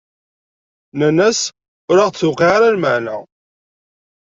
Nnan-as: Ur aɣ-d-tewqiɛ ara lmeɛna!